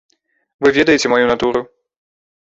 Вы ведаеце маю натуру.